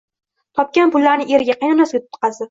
Topgan pullarini eriga, qaynonasiga tutqazdi